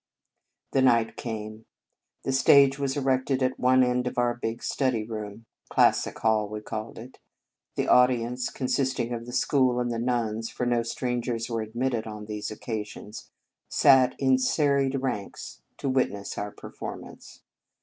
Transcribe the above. The night came. The stage was erected at one end of our big study room (classic hall, we called it) ; the audience, consisting of the school and the nuns, for no strangers were ad mitted on these occasions, sat in serried ranks to witness our perform ance.